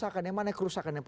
dan yang mana yang kerusakan